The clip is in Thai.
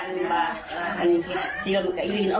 ที่บอกตอนนี้ไปแล้ว